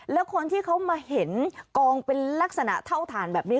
แล้วคนที่เขามาเห็นกองเป็นลักษณะเท่าฐานแบบนี้